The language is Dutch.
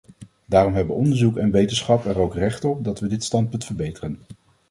Daarom hebben onderzoek en wetenschap er ook recht op dat we dit standpunt verbeteren.